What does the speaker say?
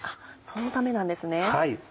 そのためなんですね。